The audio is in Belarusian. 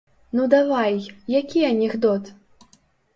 Ну давай, які анекдот?